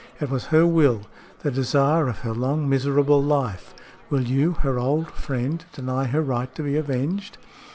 It was her will the desire of her long, miserable life. Will you, her old friend, deny her right to be avenged?"